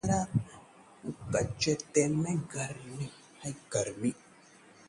कच्चे तेल में नरमी से घटे पेट्रोल-डीजल के दाम, आज इतनी मिली राहत